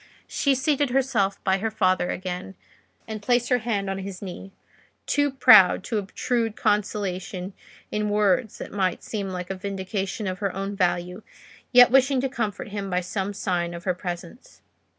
She seated herself by her father again, and placed her hand on his knee—too proud to obtrude consolation in words that might seem like a vindication of her own value, yet wishing to comfort him by some sign of her presence.